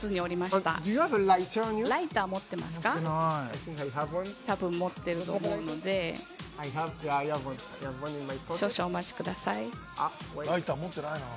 たぶん持ってると思うので少々お待ちください。